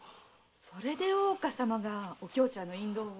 それで大岡様がお京ちゃんの印籠を。